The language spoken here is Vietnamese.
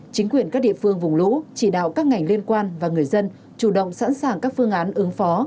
chính quyền các địa phương vùng lũ chỉ đạo các ngành liên quan và người dân chủ động sẵn sàng các phương án ứng phó